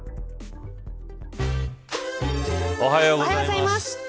おはようございます。